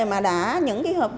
mà đã những cái hồi